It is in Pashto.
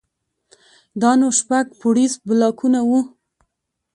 دا نو شپږ پوړيز بلاکونه وو.